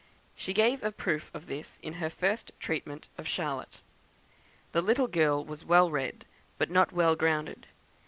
She gave a proof of this in her first treatment of Charlotte. The little girl was well read, but not well grounded.